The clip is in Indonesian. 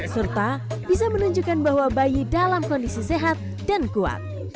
serta bisa menunjukkan bahwa bayi dalam kondisi sehat dan kuat